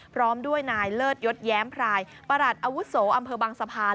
พร้อมด้วยนายเลิศยศแย้มพรายประหลัดอาวุโสอำเภอบางสะพาน